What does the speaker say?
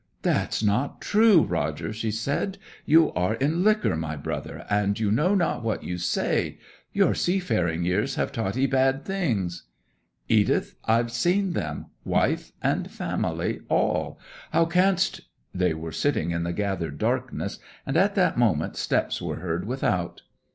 'That's not true, Roger!' she said. 'You are in liquor, my brother, and you know not what you say! Your seafaring years have taught 'ee bad things!' 'Edith I've seen them; wife and family all. How canst ' They were sitting in the gathered darkness, and at that moment steps were heard without.